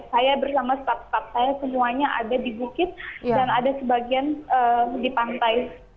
saya bersama staf staff saya semuanya ada di bukit dan ada sebagian di pantai